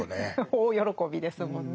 大喜びですもんね。